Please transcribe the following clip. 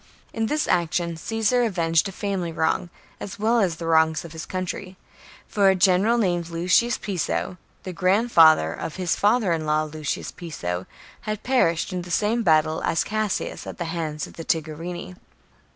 In this action Caesar avenged a family wrong as well as the wrongs of his country ; for a general named Lucius Piso, the grandfather of his father in law, Lucius Piso, had perished in the same battle as Cassius at the hands of the Tigurini.